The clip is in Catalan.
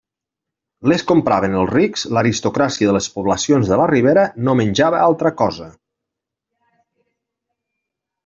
Les compraven els rics; l'aristocràcia de les poblacions de la Ribera no menjava altra cosa.